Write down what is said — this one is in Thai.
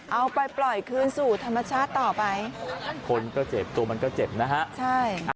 เอาไปปล่อยคืนสู่ธรรมชาติต่อไปคนก็เจ็บตัวมันก็เจ็บนะฮะใช่